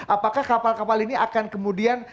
apakah kapal kapal ini akan kemudian